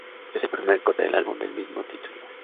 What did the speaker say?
Es el primer corte del álbum del mismo título.